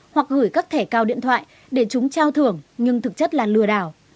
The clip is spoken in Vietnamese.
hoặc gửi các thẻ cao điện thoại để chúng trao thưởng nhưng thực chất là lừa đảo